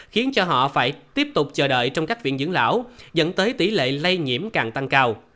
khiến cho họ phải tiếp tục chờ đợi trong các viện dưỡng lão dẫn tới tỷ lệ lây nhiễm càng tăng cao